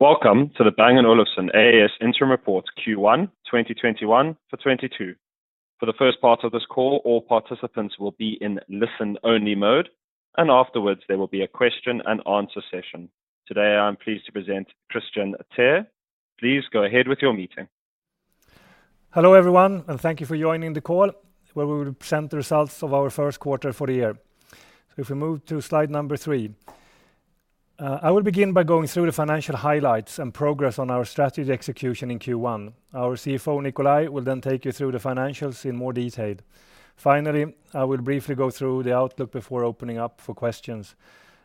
Welcome to the Bang & Olufsen A/S Interim Reports Q1 2021-2022. For the first part of this call, all participants will be in listen only mode, and afterwards there will be a question and answer session. Today, I'm pleased to present Kristian Teär. Please go ahead with your meeting. Hello, everyone, and thank you for joining the call, where we will present the results of our first quarter for the year. If we move to slide number three. I will begin by going through the financial highlights and progress on our strategy execution in Q1. Our CFO, Nikolaj, will take you through the financials in more detail. Finally, I will briefly go through the outlook before opening up for questions.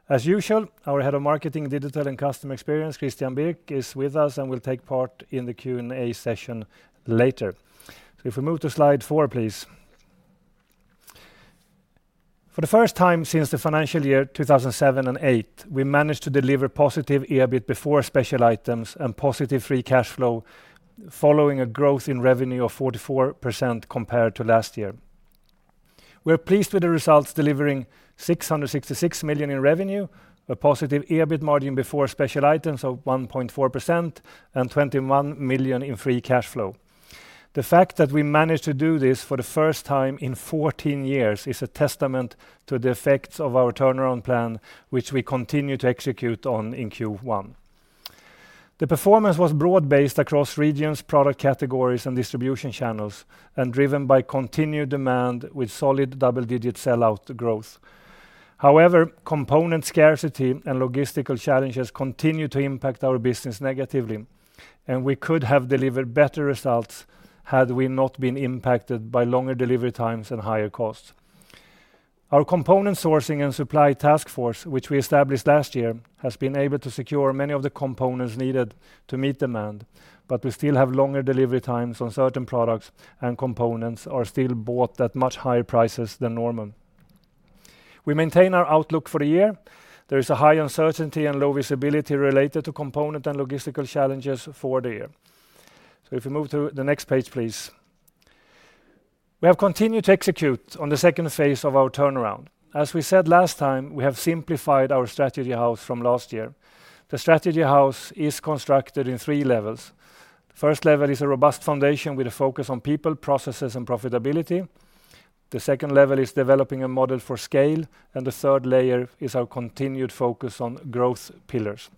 As usual, our head of marketing, digital, and customer experience, Christian Birk, is with us and will take part in the Q&A session later. If we move to slide four, please. For the first time since the financial year 2007 and 2008, we managed to deliver positive EBIT before special items and positive free cash flow following a growth in revenue of 44% compared to last year. We're pleased with the results, delivering 666 million in revenue, a positive EBIT margin before special items of 1.4%, and 21 million in free cash flow. The fact that we managed to do this for the first time in 14 years is a testament to the effects of our turnaround plan, which we continue to execute on in Q1. The performance was broad-based across regions, product categories, and distribution channels, and driven by continued demand with solid double-digit sell-out growth. However, component scarcity and logistical challenges continue to impact our business negatively, and we could have delivered better results had we not been impacted by longer delivery times and higher costs. Our component sourcing and supply task force, which we established last year, has been able to secure many of the components needed to meet demand, but we still have longer delivery times on certain products, and components are still bought at much higher prices than normal. We maintain our outlook for the year. There is a high uncertainty and low visibility related to component and logistical challenges for the year. If we move to the next page, please. We have continued to execute on the second phase of our turnaround. As we said last time, we have simplified our strategy house from last year. The strategy house is constructed in three levels. The 1st level is a robust foundation with a focus on people, processes, and profitability. The second level is developing a model for scale, and the third layer is our continued focus on growth pillars.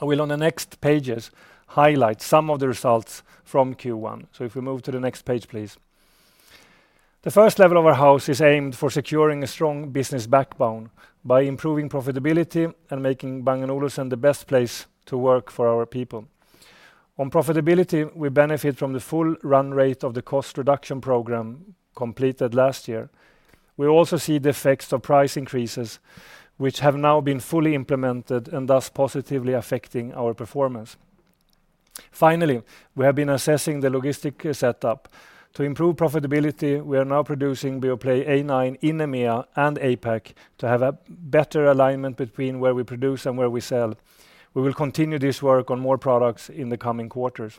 I will, on the next pages, highlight some of the results from Q1. If we move to the next page, please. The first level of our house is aimed for securing a strong business backbone by improving profitability and making Bang & Olufsen the best place to work for our people. On profitability, we benefit from the full run rate of the cost reduction program completed last year. We also see the effects of price increases, which have now been fully implemented and thus positively affecting our performance. Finally, we have been assessing the logistic setup. To improve profitability, we are now producing Beoplay A9 in EMEA and APAC to have a better alignment between where we produce and where we sell. We will continue this work on more products in the coming quarters.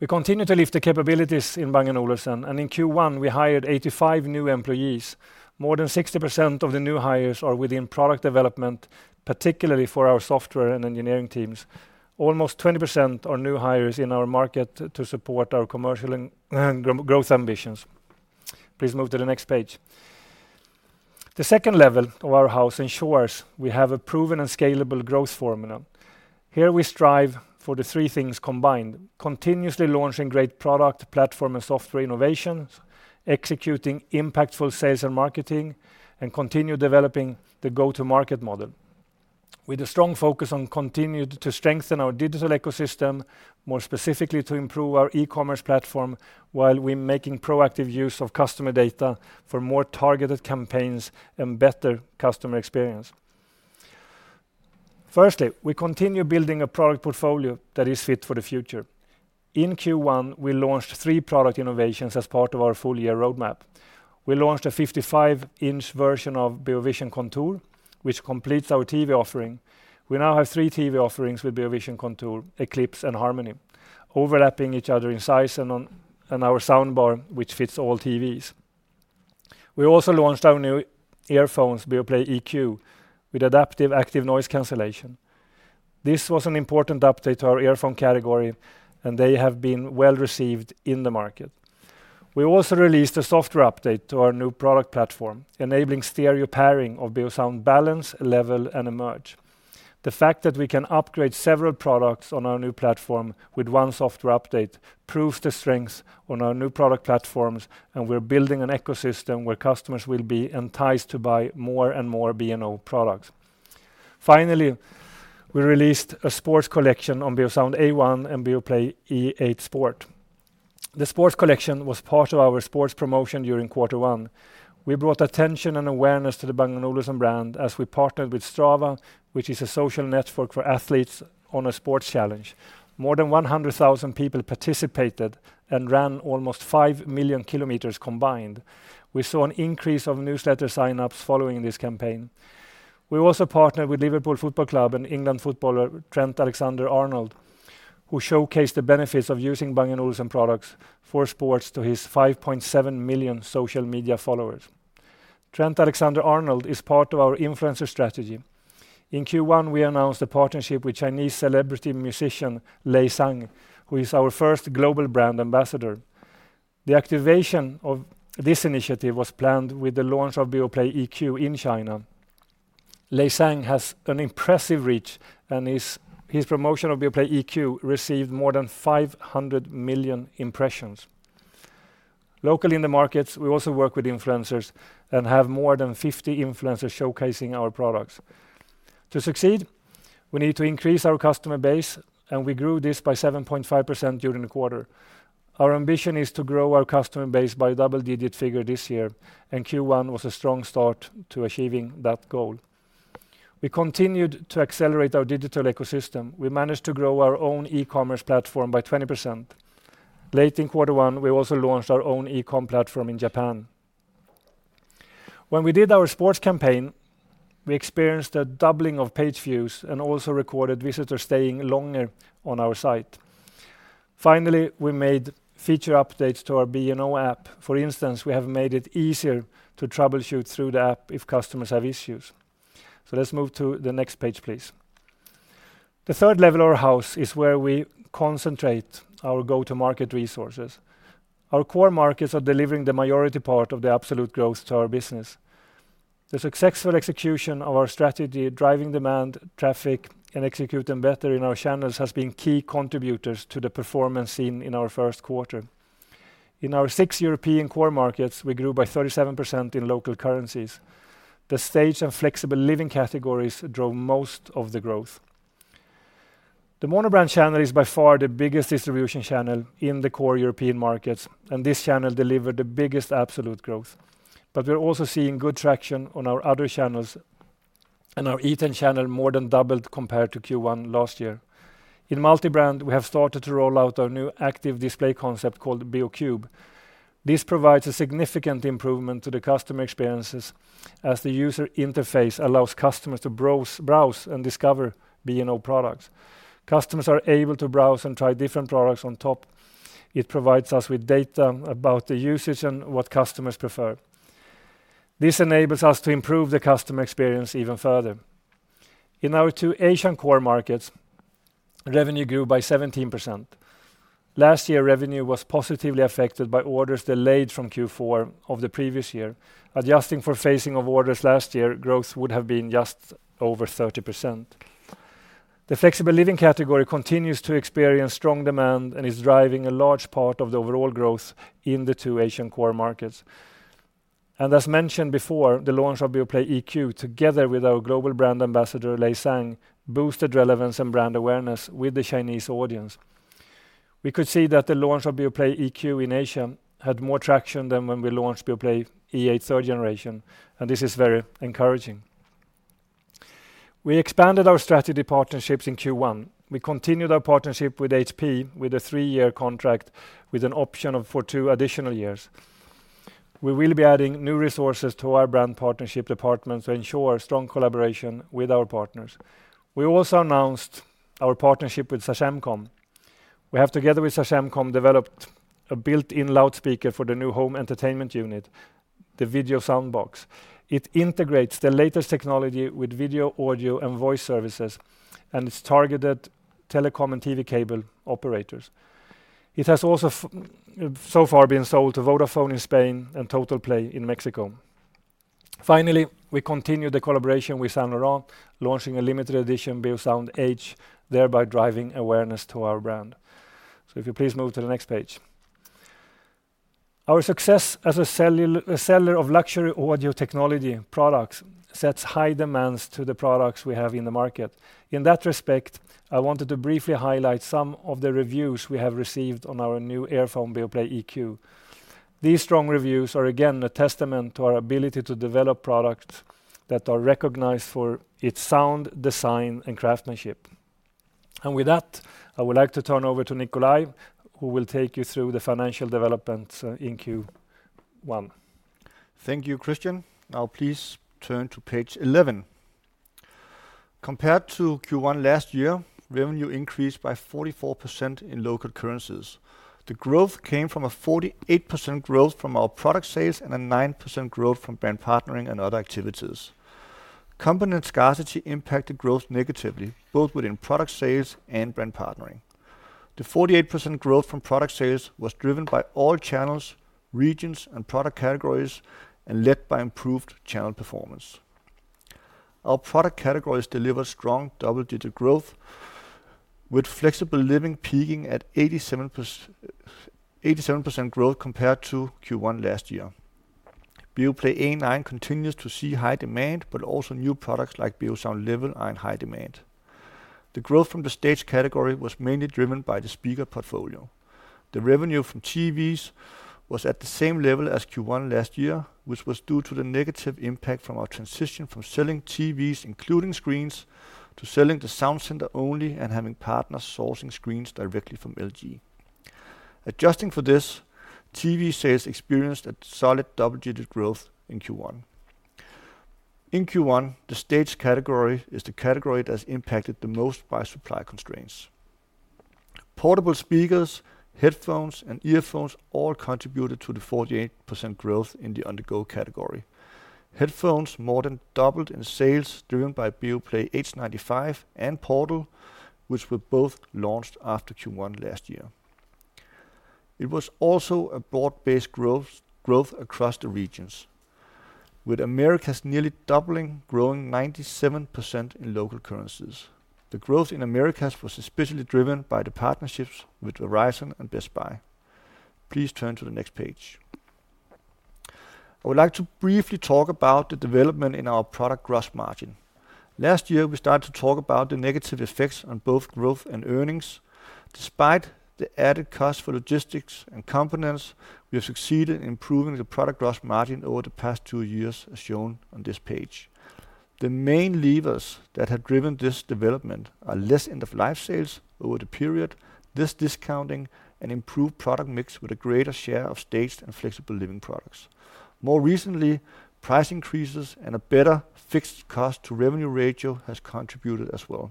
We continue to lift the capabilities in Bang & Olufsen, and in Q1, we hired 85 new employees. More than 60% of the new hires are within product development, particularly for our software and engineering teams. Almost 20% are new hires in our market to support our commercial and growth ambitions. Please move to the next page. The second level of our house ensures we have a proven and scalable growth formula. Here, we strive for the three things combined, continuously launching great product platform and software innovations, executing impactful sales and marketing, and continue developing the go-to-market model. With a strong focus on continue to strengthen our digital ecosystem, more specifically to improve our e-commerce platform while we're making proactive use of customer data for more targeted campaigns and better customer experience. Firstly, we continue building a product portfolio that is fit for the future. In Q1, we launched three product innovations as part of our full-year roadmap. We launched a 55-inch version of Beovision Contour, which completes our TV offering. We now have three TV offerings with Beovision Contour, Eclipse, and Harmony, overlapping each other in size and our soundbar, which fits all TVs. We also launched our new earphones, Beoplay EQ, with adaptive active noise cancellation. This was an important update to our earphone category, and they have been well-received in the market. We also released a software update to our new product platform, enabling stereo pairing of Beosound Balance, Level, and Emerge. The fact that we can upgrade several products on our new platform with one software update proves the strengths on our new product platforms, and we're building an ecosystem where customers will be enticed to buy more and more B&O products. We released a sports collection on Beosound A1 and Beoplay E8 Sport. The sports collection was part of our sports promotion during quarter one. We brought attention and awareness to the Bang & Olufsen brand as we partnered with Strava, which is a social network for athletes on a sports challenge. More than 100,000 people participated and ran almost 5 million km combined. We saw an increase of newsletter sign-ups following this campaign. We also partnered with Liverpool Football Club and England footballer Trent Alexander-Arnold, who showcased the benefits of using Bang & Olufsen products for sports to his 5.7 million social media followers. Trent Alexander-Arnold is part of our influencer strategy. In Q1, we announced a partnership with Chinese celebrity musician Lay Zhang, who is our first global brand ambassador. The activation of this initiative was planned with the launch of Beoplay EQ in China. Lay Zhang has an impressive reach. His promotion of Beoplay EQ received more than 500 million impressions. Locally in the markets, we also work with influencers and have more than 50 influencers showcasing our products. To succeed, we need to increase our customer base. We grew this by 7.5% during the quarter. Our ambition is to grow our customer base by a double-digit figure this year. Q1 was a strong start to achieving that goal. We continued to accelerate our digital ecosystem. We managed to grow our own e-commerce platform by 20%. Late in quarter one, we also launched our own e-com platform in Japan. When we did our sports campaign, we experienced a doubling of page views and also recorded visitors staying longer on our site. Finally, we made feature updates to our B&O app. For instance, we have made it easier to troubleshoot through the app if customers have issues. Let's move to the next page, please. The third level of our house is where we concentrate our go-to-market resources. Our core markets are delivering the majority part of the absolute growth to our business. The successful execution of our strategy, driving demand, traffic, and executing better in our channels has been key contributors to the performance seen in our first quarter. In our six European core markets, we grew by 37% in local currencies. The Staged and Flexible Living categories drove most of the growth. The mono brand channel is by far the biggest distribution channel in the core European markets. This channel delivered the biggest absolute growth. We're also seeing good traction on our other channels. Our e-tail channel more than doubled compared to Q1 last year. In multi-brand, we have started to roll out our new active display concept called Beocube. This provides a significant improvement to the customer experiences as the user interface allows customers to browse and discover B&O products. Customers are able to browse and try different products on top. It provides us with data about the usage and what customers prefer. This enables us to improve the customer experience even further. In our two Asian core markets, revenue grew by 17%. Last year, revenue was positively affected by orders delayed from Q4 of the previous year. Adjusting for phasing of orders last year, growth would have been just over 30%. The flexible living category continues to experience strong demand and is driving a large part of the overall growth in the two Asian core markets. As mentioned before, the launch of Beoplay EQ, together with our global brand ambassador, Lay Zhang, boosted relevance and brand awareness with the Chinese audience. We could see that the launch of Beoplay EQ in Asia had more traction than when we launched Beoplay E8 3rd Generation, and this is very encouraging. We expanded our strategy partnerships in Q1. We continued our partnership with HP with a three-year contract with an option for two additional years. We will be adding new resources to our brand partnership department to ensure strong collaboration with our partners. We also announced our partnership with Sagemcom. We have, together with Sagemcom, developed a built-in loudspeaker for the new home entertainment unit, the Video Soundbox. It integrates the latest technology with video, audio, and voice services, and it's targeted telecom and TV cable operators. It has also so far been sold to Vodafone in Spain and Totalplay in Mexico. We continued the collaboration with Saint Laurent, launching a limited edition Beosound Edge, thereby driving awareness to our brand. If you please move to the next page. Our success as a seller of luxury audio technology products sets high demands to the products we have in the market. In that respect, I wanted to briefly highlight some of the reviews we have received on our new earphone, Beoplay EQ. These strong reviews are again a testament to our ability to develop products that are recognized for its sound, design, and craftsmanship. With that, I would like to turn over to Nikolaj, who will take you through the financial development in Q1. Thank you, Christian. Now please turn to page 11. Compared to Q1 last year, revenue increased by 44% in local currencies. The growth came from a 48% growth from our product sales and a 9% growth from brand partnering and other activities. Component scarcity impacted growth negatively, both within product sales and brand partnering. The 48% growth from product sales was driven by all channels, regions, and product categories, and led by improved channel performance. Our product categories delivered strong double-digit growth with flexible living peaking at 87% growth compared to Q1 last year. Beoplay A9 continues to see high demand, but also new products like Beosound Level are in high demand. The growth from the stage category was mainly driven by the speaker portfolio. The revenue from TVs was at the same level as Q1 last year, which was due to the negative impact from our transition from selling TVs including screens to selling the sound center only and having partners sourcing screens directly from LG. Adjusting for this, TV sales experienced a solid double-digit growth in Q1. In Q1, the staged category is the category that's impacted the most by supply constraints. Portable speakers, headphones, and earphones all contributed to the 48% growth in the On-The-Go category. Headphones more than doubled in sales, driven by Beoplay H95 and Portal, which were both launched after Q1 last year. It was also a broad-based growth across the regions, with Americas nearly doubling, growing 97% in local currencies. The growth in Americas was especially driven by the partnerships with Verizon and Best Buy. Please turn to the next page. I would like to briefly talk about the development in our product gross margin. Last year, we started to talk about the negative effects on both growth and earnings. Despite the added cost for logistics and components, we have succeeded in improving the product gross margin over the past two years, as shown on this page. The main levers that have driven this development are less end-of-life sales over the period, less discounting, and improved product mix with a greater share of staged and flexible living products. More recently, price increases and a better fixed cost to revenue ratio has contributed as well.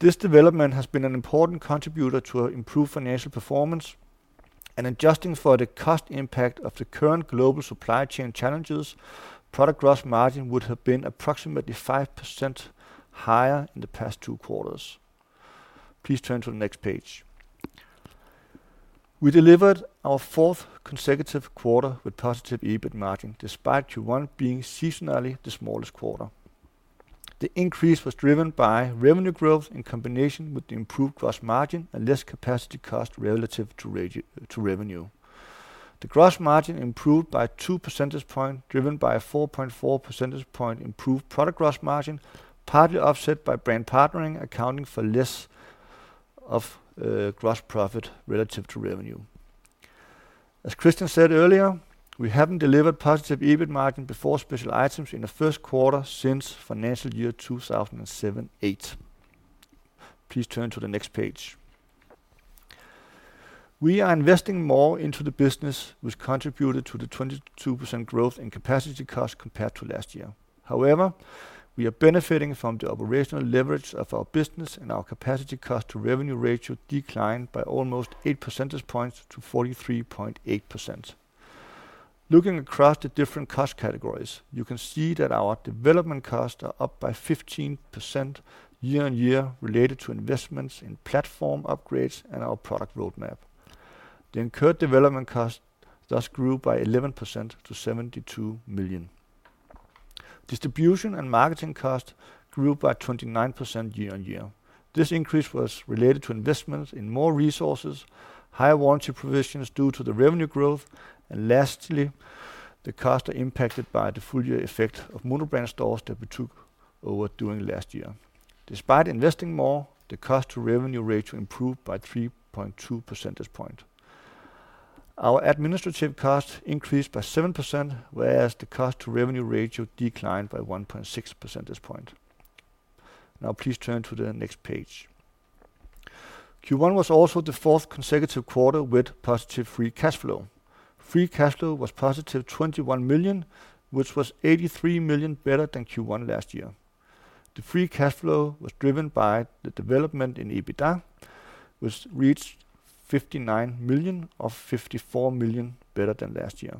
This development has been an important contributor to our improved financial performance, and adjusting for the cost impact of the current global supply chain challenges, product gross margin would have been approximately 5% higher in the past two quarters. Please turn to the next page. We delivered our fourth consecutive quarter with positive EBIT margin, despite Q1 being seasonally the smallest quarter. The increase was driven by revenue growth in combination with the improved gross margin and less capacity cost relative to revenue. The gross margin improved by 2 percentage points, driven by a 4.4 percentage point improved product gross margin, partly offset by brand partnering accounting for less of gross profit relative to revenue. As Kristian said earlier, we haven't delivered positive EBIT margin before special items in the first quarter since financial year 2007-2008. Please turn to the next page. We are investing more into the business, which contributed to the 22% growth in capacity cost compared to last year. We are benefiting from the operational leverage of our business, and our capacity cost to revenue ratio declined by almost 8 percentage points to 43.8%. Looking across the different cost categories, you can see that our development costs are up by 15% year-on-year related to investments in platform upgrades and our product roadmap. The incurred development cost thus grew by 11% to 72 million. Distribution and marketing cost grew by 29% year-on-year. This increase was related to investments in more resources, higher warranty provisions due to the revenue growth, and lastly, the cost are impacted by the full-year effect of monobrand stores that we took over during last year. Despite investing more, the cost to revenue ratio improved by 3.2 percentage points. Our administrative cost increased by 7%, whereas the cost to revenue ratio declined by 1.6 percentage points. Now, please turn to the next page. Q1 was also the fourth consecutive quarter with positive free cash flow. Free cash flow was positive 21 million, which was 83 million better than Q1 last year. The free cash flow was driven by the development in EBITDA, which reached 59 million, or 54 million better than last year.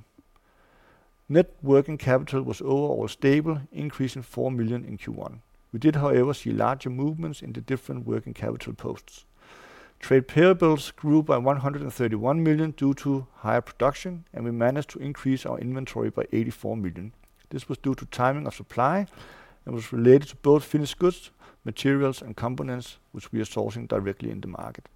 Net working capital was overall stable, increasing 4 million in Q1. We did, however, see larger movements in the different working capital posts. Trade payables grew by 131 million due to higher production, and we managed to increase our inventory by 84 million. This was due to timing of supply and was related to both finished goods, materials, and components which we are sourcing directly in the market.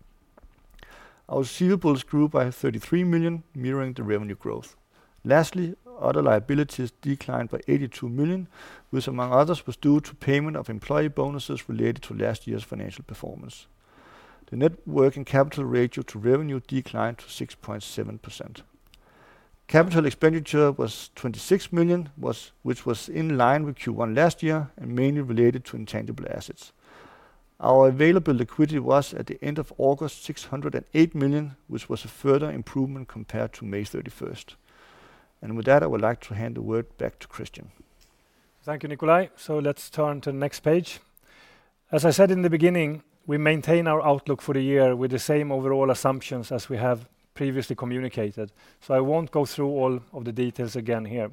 Our receivables grew by 33 million, mirroring the revenue growth. Lastly, other liabilities declined by 82 million, which among others, was due to payment of employee bonuses related to last year's financial performance. The net working capital ratio to revenue declined to 6.7%. Capital expenditure was 26 million, which was in line with Q1 last year and mainly related to intangible assets. Our available liquidity was, at the end of August, 608 million, which was a further improvement compared to May 31st. With that, I would like to hand the word back to Christian. Thank you, Nikolaj. Let's turn to the next page. As I said in the beginning, we maintain our outlook for the year with the same overall assumptions as we have previously communicated, so I won't go through all of the details again here.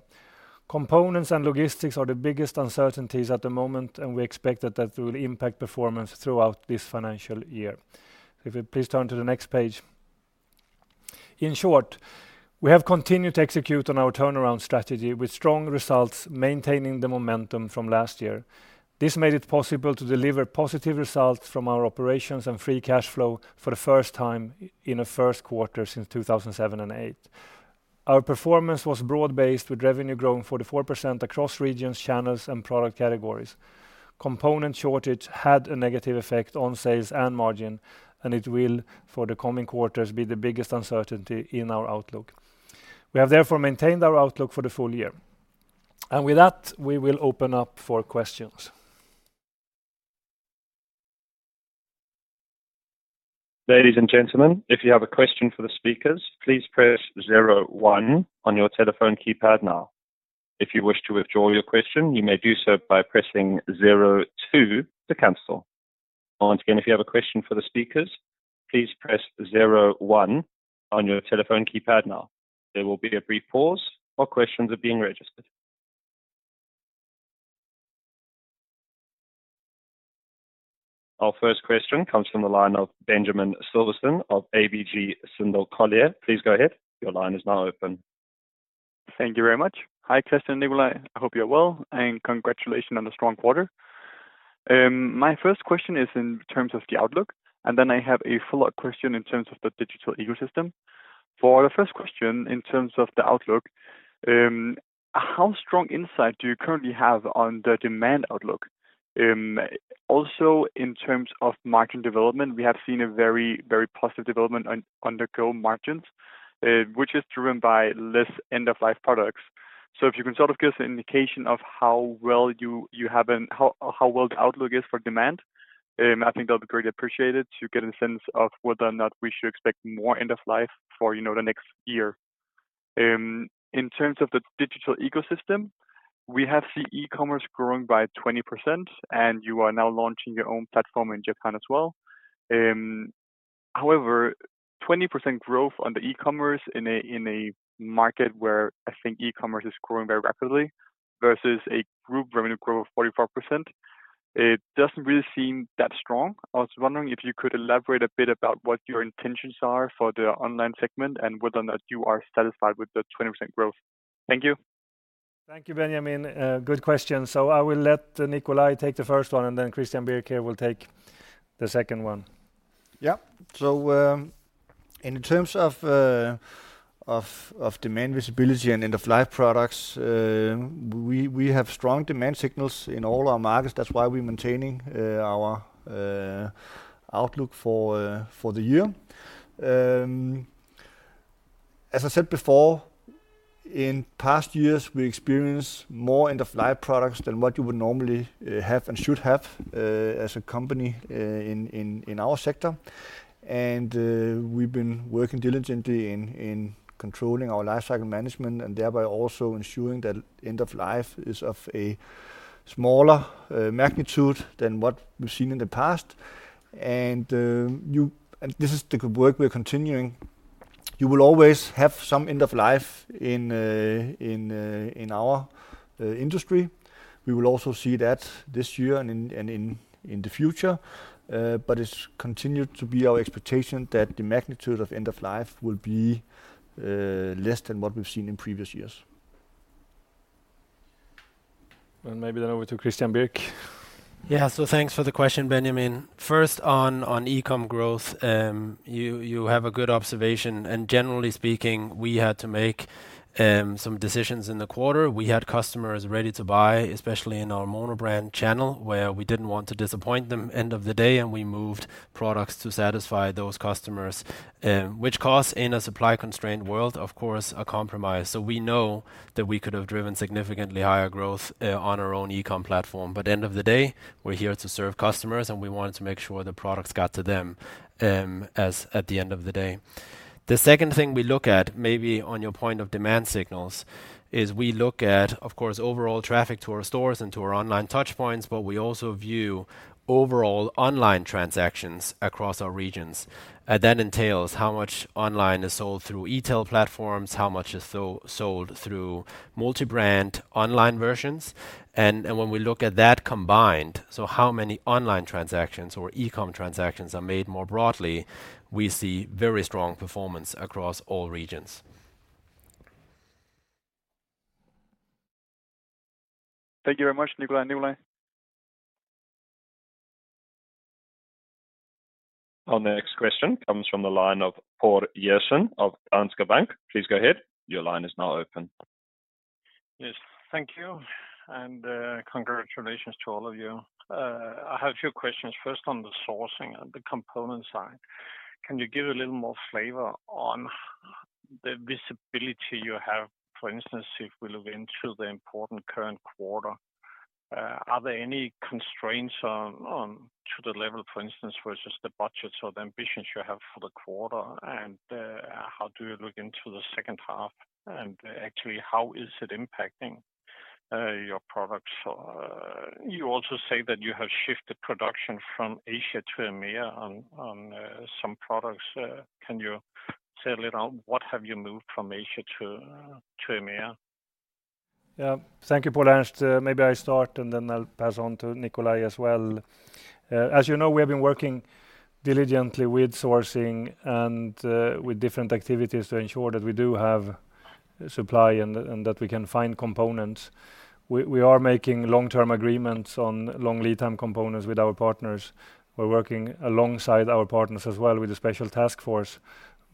Components and logistics are the biggest uncertainties at the moment, and we expect that will impact performance throughout this financial year. If we please turn to the next page. In short, we have continued to execute on our turnaround strategy with strong results, maintaining the momentum from last year. This made it possible to deliver positive results from our operations and free cash flow for the first time in the first quarter since 2007-2008. Our performance was broad-based, with revenue growing 44% across regions, channels, and product categories. Component shortage had a negative effect on sales and margin. It will, for the coming quarters, be the biggest uncertainty in our outlook. We have therefore maintained our outlook for the full year. With that, we will open up for questions. Ladies and gentlemen, if you have a question for the speakers, please press zero one on your telephone keypad now. If you wish to withdraw your question, you may do so by pressing zero two to cancel. Once again, if you have a question for the speakers, please press zero one on your telephone keypad now. There will be a brief pause while questions are being registered. Our first question comes from the line of Benjamin Silverstone of ABG Sundal Collier. Please go ahead. Your line is now open. Thank you very much. Hi, Kristian and Nikolaj. I hope you're well, and congratulations on the strong quarter. My first question is in terms of the outlook, and then I have a follow-up question in terms of the digital ecosystem. For the first question, in terms of the outlook, how strong insight do you currently have on the demand outlook? Also, in terms of market development, we have seen a very positive development on underlying gross margins, which is driven by less end-of-life products. If you can sort of give us an indication of how well the outlook is for demand, I think that would be greatly appreciated to get a sense of whether or not we should expect more end of life for the next year. In terms of the digital ecosystem, we have seen e-commerce growing by 20% and you are now launching your own platform in Japan as well. However, 20% growth on the e-commerce in a market where I think e-commerce is growing very rapidly versus a group revenue growth of 44%, it doesn't really seem that strong. I was wondering if you could elaborate a bit about what your intentions are for the online segment and whether or not you are satisfied with the 20% growth. Thank you. Thank you, Benjamin. Good question. I will let Nikolaj take the first one, and then Christian Birk here will take the second one. In terms of demand visibility and end-of-life products, we have strong demand signals in all our markets. That's why we're maintaining our outlook for the year. As I said before, in past years, we experienced more end-of-life products than what you would normally have and should have as a company in our sector. We've been working diligently in controlling our life cycle management and thereby also ensuring that end of life is of a smaller magnitude than what we've seen in the past. This is the work we are continuing. You will always have some end of life in our industry. We will also see that this year and in the future. It's continued to be our expectation that the magnitude of end of life will be less than what we've seen in previous years. Maybe then over to Christian Birk. Yeah. Thanks for the question, Benjamin. First, on e-com growth, you have a good observation, and generally speaking, we had to make some decisions in the quarter. We had customers ready to buy, especially in our monobrand channel, where we didn't want to disappoint them end of the day, and we moved products to satisfy those customers, which costs in a supply-constrained world, of course, a compromise. We know that we could have driven significantly higher growth on our own e-com platform, but at the end of the day, we're here to serve customers, and we wanted to make sure the products got to them at the end of the day. The second thing we look at, maybe on your point of demand signals, is we look at, of course, overall traffic to our stores and to our online touchpoints, but we also view overall online transactions across our regions. That entails how much online is sold through e-tail platforms, how much is sold through multi-brand online versions. When we look at that combined, so how many online transactions or e-com transactions are made more broadly, we see very strong performance across all regions. Thank you very much, Nikolaj. Our next question comes from the line of Poul Jessen of Danske Bank. Please go ahead. Your line is now open. Yes. Thank you. Congratulations to all of you. I have a few questions, first on the sourcing and the component side. Can you give a little more flavor on the visibility you have, for instance, if we look into the important current quarter, are there any constraints to the level, for instance, versus the budgets or the ambitions you have for the quarter? How do you look into the second half, and actually, how is it impacting your products? You also say that you have shifted production from Asia to EMEA on some products. Can you say a little, what have you moved from Asia to EMEA? Yeah. Thank you, Poul Ernst. Maybe I start, and then I'll pass on to Nikolaj Wendelboe as well. As you know, we have been working diligently with sourcing and with different activities to ensure that we do have supply and that we can find components. We are making long-term agreements on long lead time components with our partners. We're working alongside our partners as well with a special task force,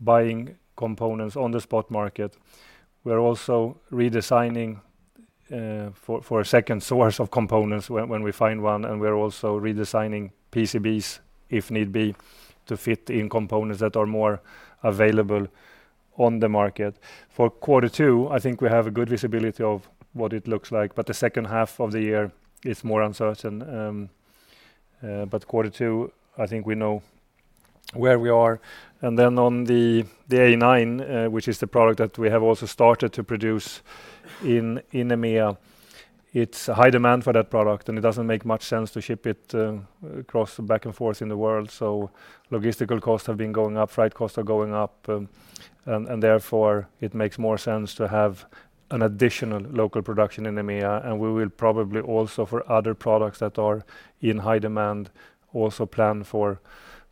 buying components on the spot market. We're also redesigning for a second source of components when we find one, and we're also redesigning PCBs if need be to fit in components that are more available on the market. For quarter two, I think we have a good visibility of what it looks like, but the second half of the year is more uncertain. Quarter two, I think we know where we are. On the A9, which is the product that we have also started to produce in EMEA. It's a high demand for that product, and it doesn't make much sense to ship it back and forth in the world. Logistical costs have been going up, freight costs are going up, it makes more sense to have an additional local production in EMEA. We will probably also for other products that are in high demand, also plan for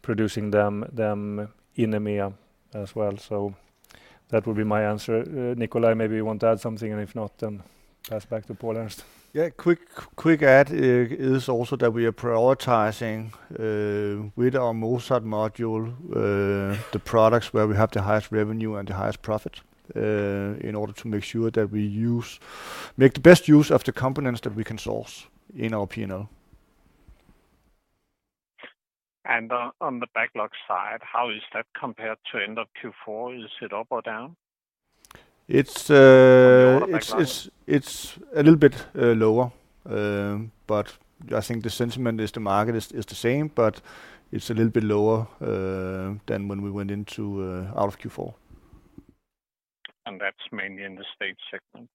producing them in EMEA as well. That would be my answer. Nikolaj, maybe you want to add something, if not, pass back to Poul Ernst. Yeah. Quick add is also that we are prioritizing, with our Mozart module, the products where we have the highest revenue and the highest profit, in order to make sure that we make the best use of the components that we can source in our P&L. On the backlog side, how is that compared to end of Q4? Is it up or down? It's a little bit lower. I think the sentiment is the market is the same, but it's a little bit lower than when we went out of Q4. That's mainly in the U.S. segment,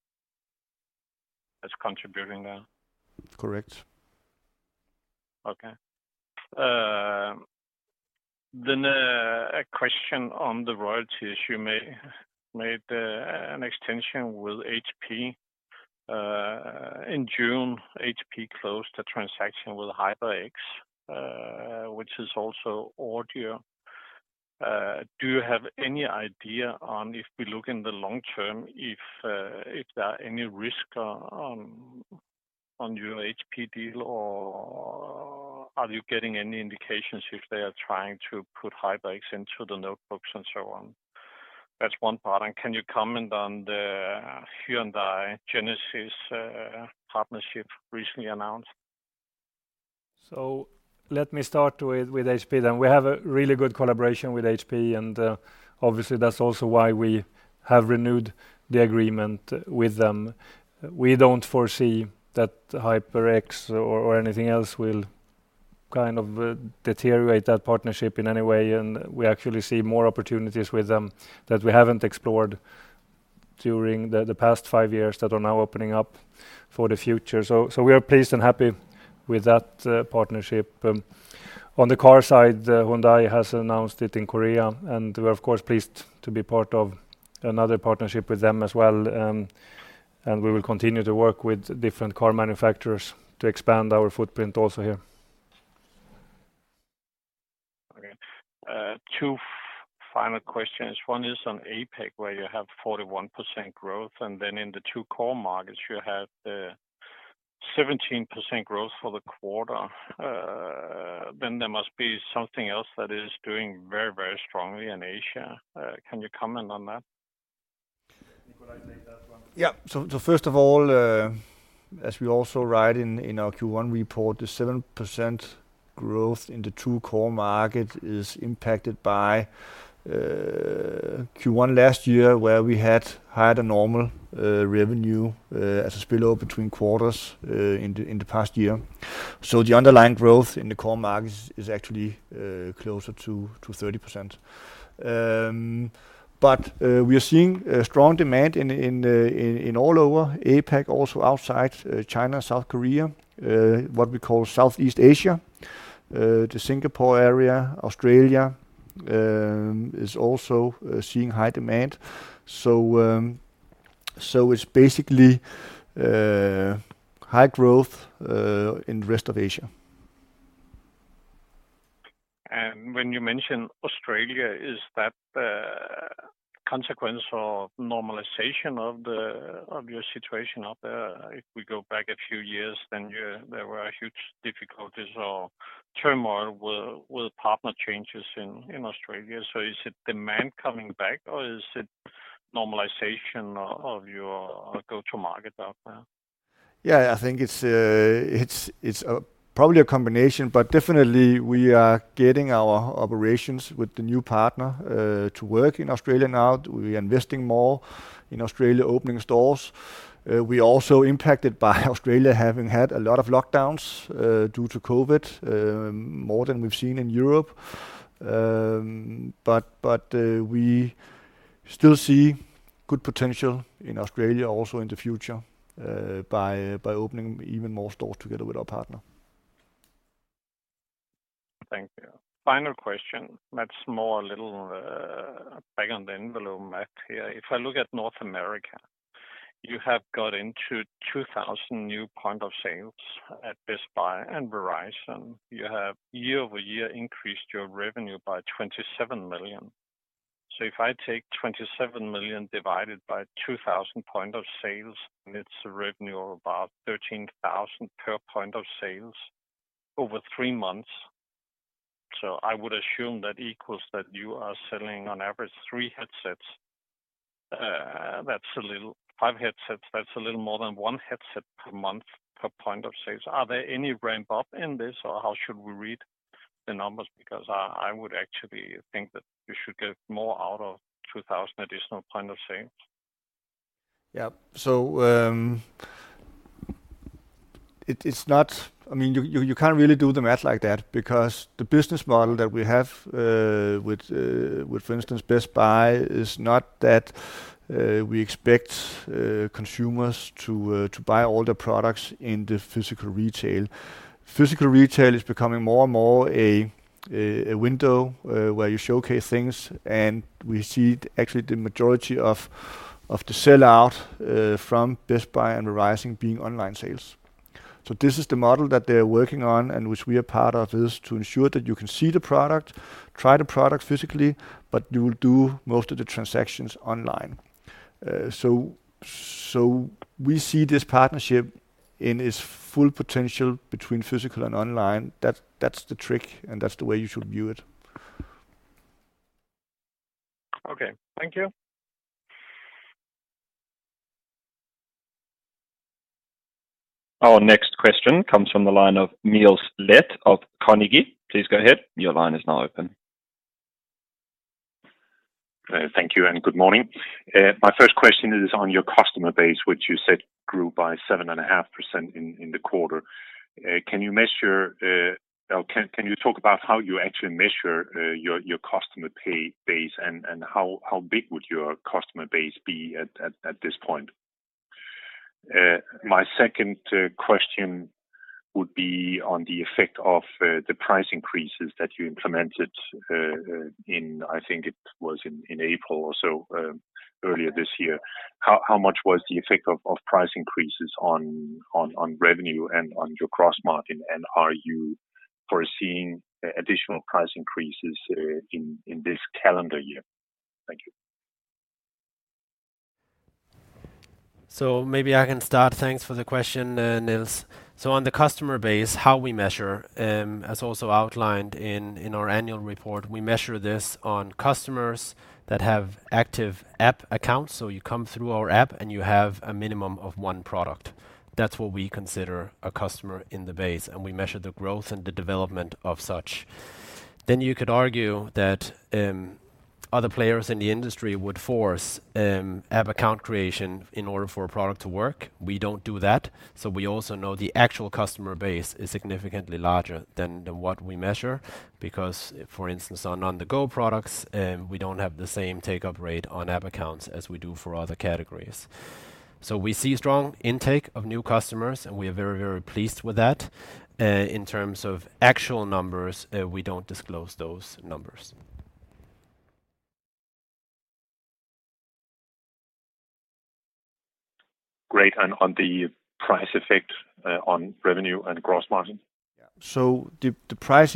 that's contributing that? Correct. Okay. A question on the royalties. You made an extension with HP. In June, HP closed a transaction with HyperX, which is also audio. Do you have any idea on if we look in the long term, if there are any risk on your HP deal, or are you getting any indications if they are trying to put HyperX into the notebooks and so on? That's one part. Can you comment on the Hyundai Genesis partnership recently announced? Let me start with HP. We have a really good collaboration with HP, and obviously that's also why we have renewed the agreement with them. We don't foresee that HyperX or anything else will kind of deteriorate that partnership in any way. We actually see more opportunities with them that we haven't explored during the past five years that are now opening up for the future. We are pleased and happy with that partnership. On the car side, Hyundai has announced it in Korea, and we're of course pleased to be part of another partnership with them as well. We will continue to work with different car manufacturers to expand our footprint also here. Okay. Two final questions. One is on APAC, where you have 41% growth, and then in the two core markets you have 17% growth for the quarter. There must be something else that is doing very, very strongly in Asia. Can you comment on that? Nikolaj take that one. Yeah. First of all, as we also write in our Q1 report, the 7% growth in the true core market is impacted by Q1 last year, where we had higher than normal revenue as a spill-over between quarters in the past year. The underlying growth in the core markets is actually closer to 30%. We are seeing strong demand in all over APAC, also outside China, South Korea, what we call Southeast Asia. The Singapore area, Australia is also seeing high demand. It's basically high growth in rest of Asia. When you mention Australia, is that a consequence of normalization of your situation out there? If we go back a few years, there were huge difficulties or turmoil with partner changes in Australia. Is it demand coming back or is it normalization of your go-to market out there? I think it's probably a combination. Definitely we are getting our operations with the new partner to work in Australia now. We are investing more in Australia, opening stores. We are also impacted by Australia having had a lot of lockdowns due to COVID, more than we've seen in Europe. We still see good potential in Australia also in the future, by opening even more stores together with our partner. Thank you. Final question. That's more a little back of the envelope math here. If I look at North America, you have got into 2,000 new point of sales at Best Buy and Verizon. You have year-over-year increased your revenue by 27 million. If I take 27 million divided by 2,000 point of sales, and it's a revenue of about 13,000 per point of sales over three months. I would assume that equals that you are selling on average five headsets, that's a little more than one headset per month per point of sales. Are there any ramp-up in this or how should we read the numbers? I would actually think that you should get more out of 2,000 additional point of sales. Yeah. You can't really do the math like that because the business model that we have, with for instance, Best Buy, is not that we expect consumers to buy all the products in the physical retail. Physical retail is becoming more and more a window where you showcase things, and we see actually the majority of the sellout from Best Buy and Verizon being online sales. This is the model that they're working on and which we are part of, is to ensure that you can see the product, try the product physically, but you will do most of the transactions online. We see this partnership in its full potential between physical and online. That's the trick, and that's the way you should view it. Okay. Thank you. Our next question comes from the line of Niels Granholm-Leth of Carnegie. Please go ahead. Your line is now open. Thank you, and good morning. My first question is on your customer base, which you said grew by 7.5% in the quarter. Can you talk about how you actually measure your customer base, and how big would your customer base be at this point? My second question would be on the effect of the price increases that you implemented in, I think it was in April or so, earlier this year. How much was the effect of price increases on revenue and on your gross margin? Are you foreseeing additional price increases in this calendar year? Thank you. Maybe I can start. Thanks for the question, Niels. On the customer base, how we measure, as also outlined in our annual report, we measure this on customers that have active app accounts. You come through our app, and you have a minimum of one product. That is what we consider a customer in the base, and we measure the growth and the development of such. You could argue that other players in the industry would force app account creation in order for a product to work. We do not do that. We also know the actual customer base is significantly larger than what we measure because, for instance, on the Go products, we do not have the same take-up rate on app accounts as we do for other categories. We see strong intake of new customers, and we are very pleased with that. In terms of actual numbers, we don't disclose those numbers. Great. On the price effect on revenue and gross margin? The price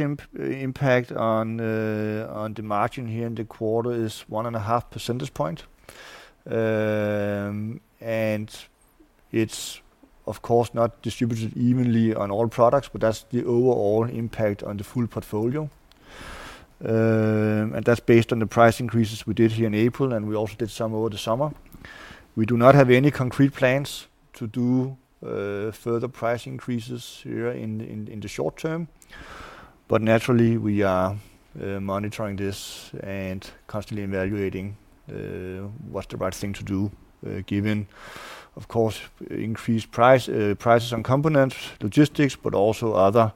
impact on the margin here in the quarter is 1.5 percentage point. It's of course not distributed evenly on all products, but that's the overall impact on the full portfolio. That's based on the price increases we did here in April, and we also did some over the summer. We do not have any concrete plans to do further price increases here in the short term. Naturally, we are monitoring this and constantly evaluating what's the right thing to do, given, of course, increased prices on components, logistics, but also other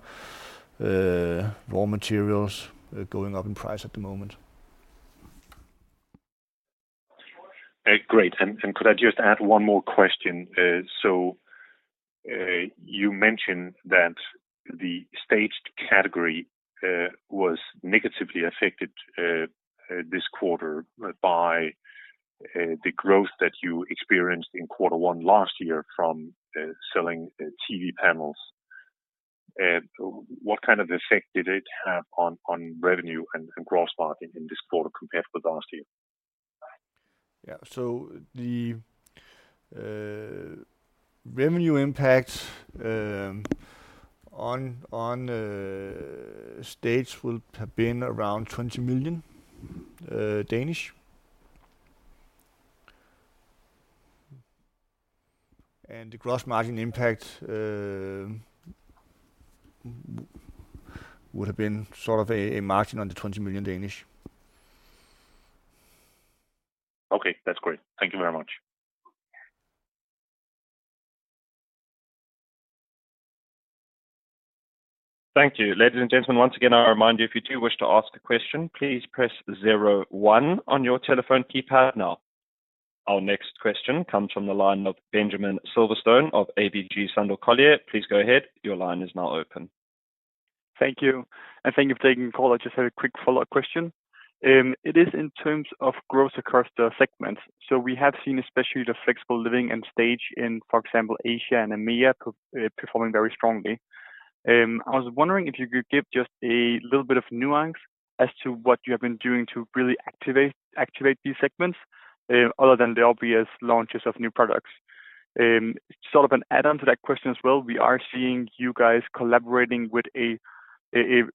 raw materials going up in price at the moment. Great. Could I just add one more question? You mentioned that the staged category was negatively affected this quarter by the growth that you experienced in quarter one last year from selling TV panels. What kind of effect did it have on revenue and gross margin in this quarter compared with last year? Yeah. The revenue impact on the stage will have been around 20 million. The gross margin impact would have been sort of a margin on the 20 million. Okay. That's great. Thank you very much. Thank you. Ladies and gentlemen, once again, I remind you, if you do wish to ask a question, please press zero one on your telephone keypad now. Our next question comes from the line of Benjamin Silverstone of ABG Sundal Collier. Please go ahead. Your line is now open. Thank you. Thank you for taking the call. I just had a quick follow-up question. It is in terms of growth across the segments. We have seen, especially the flexible living and Staged, for example, Asia and EMEA, performing very strongly. I was wondering if you could give just a little bit of nuance as to what you have been doing to really activate these segments other than the obvious launches of new products. Sort of an add-on to that question as well. We are seeing you guys collaborating with a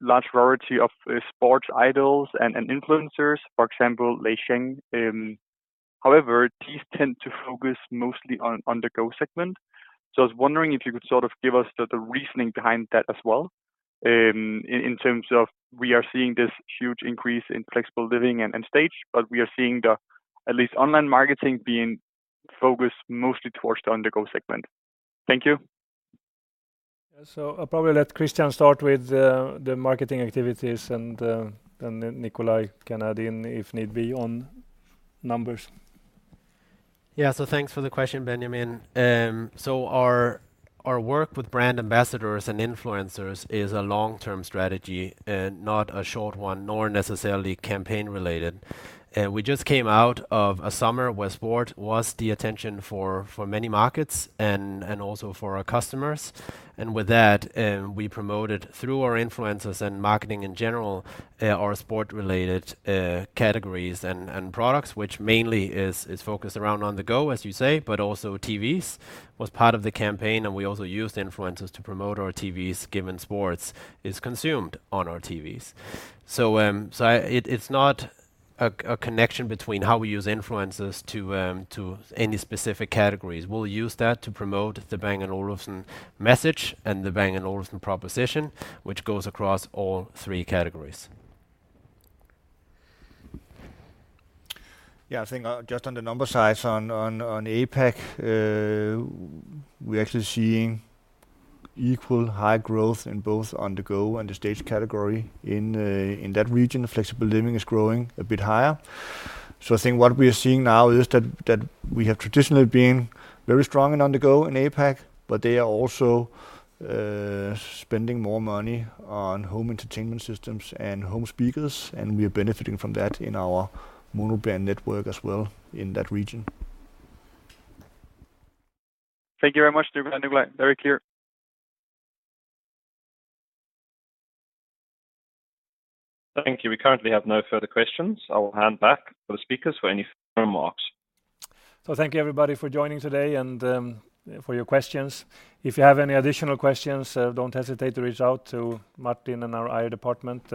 large variety of sports idols and influencers. For example, Lay Zhang. However, these tend to focus mostly on the Go segment. I was wondering if you could give us the reasoning behind that as well, in terms of we are seeing this huge increase in flexible living and Stage, but we are seeing the at least online marketing being focused mostly towards the On The Go segment. Thank you. Yeah. I'll probably let Christian start with the marketing activities, and then Nikolaj can add in if need be on numbers. Thanks for the question, Benjamin. Our work with brand ambassadors and influencers is a long-term strategy, not a short one, nor necessarily campaign related. We just came out of a summer where sport was the attention for many markets and also for our customers. With that, we promoted through our influencers and marketing in general, our sport-related categories and products, which mainly is focused around On The Go, as you say, but also TVs was part of the campaign, and we also used influencers to promote our TVs, given sports is consumed on our TVs. It's not a connection between how we use influencers to any specific categories. We'll use that to promote the Bang & Olufsen message and the Bang & Olufsen proposition, which goes across all three categories. I think just on the numbers side, on APAC, we're actually seeing equal high growth in both On The Go and the Stage category in that region. Flexible Living is growing a bit higher. I think what we are seeing now is that we have traditionally been very strong in On The Go in APAC, but they are also spending more money on home entertainment systems and home speakers, and we are benefiting from that in our monobrand network as well in that region. Thank you very much, Christian and Nikolaj. Very clear. Thank you. We currently have no further questions. I will hand back to the speakers for any final remarks. Thank you everybody for joining today and for your questions. If you have any additional questions, don't hesitate to reach out to Martin and our IR department,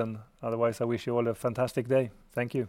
otherwise, I wish you all a fantastic day. Thank you.